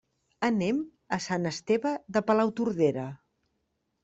Anem a Sant Esteve de Palautordera.